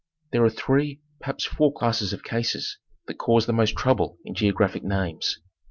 There are three, perhaps four classes of cases that cause the most trouble in geographic names.